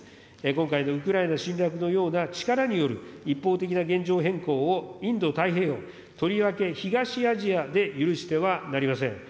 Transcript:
今回のウクライナ侵略のような力による一方的な現状変更を、インド太平洋、とりわけ東アジアで許してはなりません。